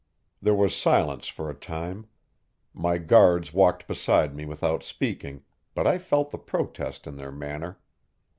There was silence for a time. My guards walked beside me without speaking, but I felt the protest in their manner.